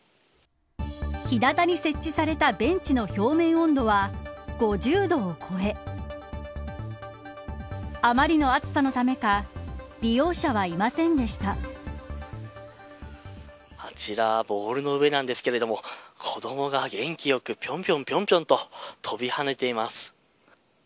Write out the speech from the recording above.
日なたに設置されたベンチの表面温度は５０度を超えあまりの暑さのためかあちらボールの上なんですけど子どもが元気よくぴょんぴょんぴょんぴょんと飛び跳ねています。